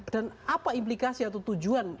dan apa implikasi atau tujuan